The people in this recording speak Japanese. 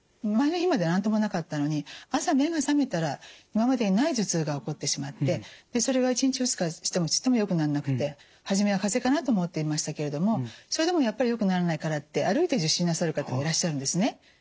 前の日まで何ともなかったのに朝目が覚めたら今までにない頭痛が起こってしまってそれが１日２日してもちっともよくならなくて初めは風邪かなと思っていましたけれどもそれでもやっぱりよくならないからって歩いて受診なさる方もいらっしゃるんですね。